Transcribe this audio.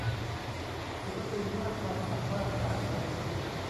ศิลปินมากความสามารถจากวง